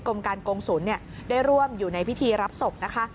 กรมการกงศูนย์ได้ร่วมอยู่ในพิธีรับศพนะคะ